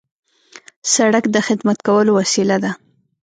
سړک د خدمت کولو وسیله ده.